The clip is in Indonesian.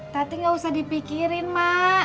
tapi gak usah dipikirin mak